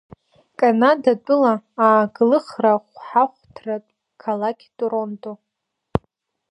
Канада тәыла ааглыхра-хәҳахәҭратә қалақь торонто.